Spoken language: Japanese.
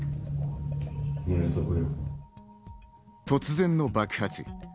突然の爆発。